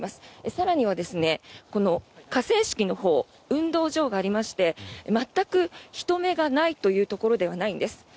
更にはこの河川敷のほう運動場がありまして全く人目がないというところではないんです。